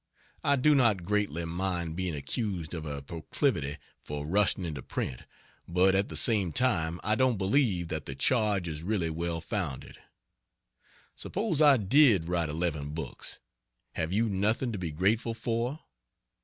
I do not greatly mind being accused of a proclivity for rushing into print, but at the same time I don't believe that the charge is really well founded. Suppose I did write eleven books, have you nothing to be grateful for?